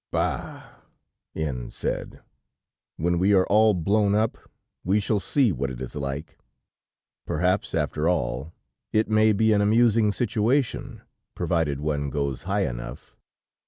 "Bah!" N said, "when we are all blown up, we shall see what it is like. Perhaps, after all, it may be an amusing sensation, provided one goes high enough."